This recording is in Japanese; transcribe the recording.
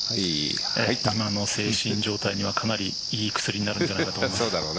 今の精神状態にはかなりいい薬になるんじゃないかなと思います。